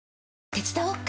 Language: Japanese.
手伝おっか？